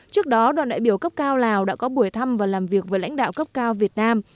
trước đó đoàn đại biểu cấp cao lào đã có buổi thăm và làm việc với lãnh đạo cấp cao việt nam